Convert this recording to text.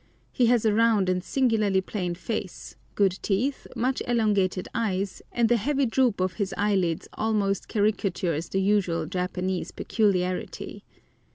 He has a round and singularly plain face, good teeth, much elongated eyes, and the heavy droop of his eyelids almost caricatures the usual Japanese peculiarity.